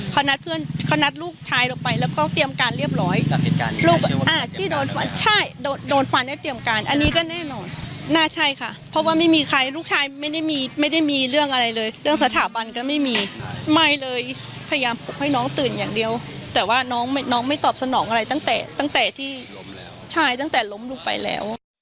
เขานัดเพื่อนเขานัดลูกชายลงไปแล้วก็เตรียมการเรียบร้อยลูกที่โดนฟันใช่โดนฟันให้เตรียมการอันนี้ก็แน่นอนน่าใช่ค่ะเพราะว่าไม่มีใครลูกชายไม่ได้มีไม่ได้มีเรื่องอะไรเลยเรื่องสถาบันก็ไม่มีไม่เลยพยายามปลุกให้น้องตื่นอย่างเดียวแต่ว่าน้องไม่ตอบสนองอะไรตั้งแต่ตั้งแต่ที่ชายตั้งแต่ล้มลงไปแล้ว